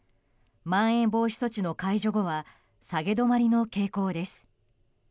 まん延防止措置の解除後は下げ止まりの傾向です。